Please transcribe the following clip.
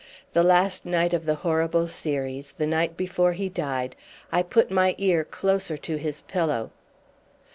The last night of the horrible series, the night before he died, I put my ear closer to his pillow.